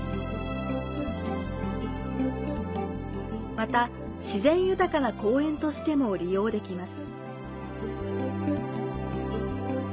また、自然豊かな公園としても利用できます。